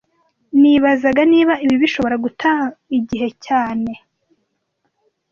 Nibazaga niba ibi bishobora guta igihe cyane